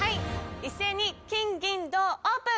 一斉に金銀銅オープン！